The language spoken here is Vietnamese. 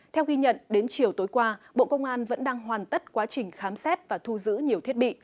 theo ghi nhận đến chiều tối qua bộ công an vẫn đang hoàn tất quá trình khám xét và thu giữ nhiều thiết bị